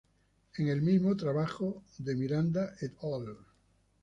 En el mismo trabajo de Miranda "et al".